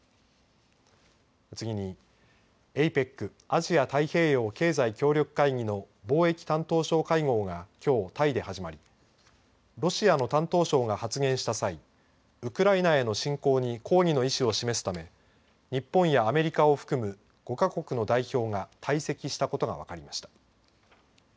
次に、ＡＰＥＣ＝アジア太平洋経済協力会議の貿易担当相会合がきょうタイで始まりロシアの担当相が発言した際ウクライナへの侵攻に抗議の意思を示すため日本やアメリカを５か国の代表が退席したことが分かりました。